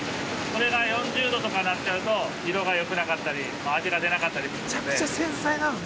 これが４０度とかなっちゃうと色がよくなかったり味が出なかったりするんで。